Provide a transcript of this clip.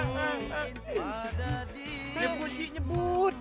nyebut ci nyebut